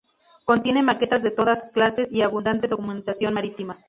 Contiene maquetas de todas clases y abundante documentación marítima.